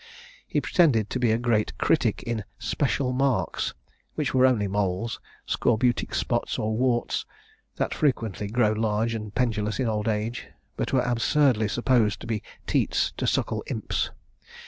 He pretended to be a great critic in special marks, which were only moles, scorbutic spots, or warts, that frequently grow large and pendulous in old age; but were absurdly supposed to be teats to suckle imps.